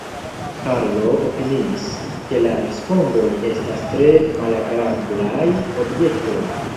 Karlo opiniis, ke la spongoj estas tre malagrablaj objektoj.